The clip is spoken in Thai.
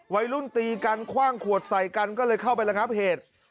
วัยรุ่นตีกันคว่างขวดใส่กันก็เลยเข้าไประงับเหตุ